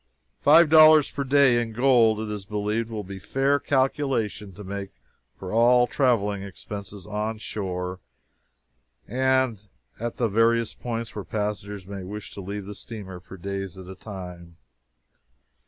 Five dollars per day, in gold, it is believed, will be a fair calculation to make for all traveling expenses onshore and at the various points where passengers may wish to leave the steamer for days at a time.